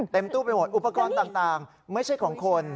ตู้ไปหมดอุปกรณ์ต่างไม่ใช่ของคน